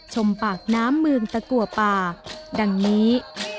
ชมปากน้ำเมืองตะกัวป่าดังนี้